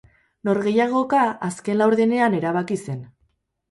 Norgehiagoka azken laurdenean erabaki zen.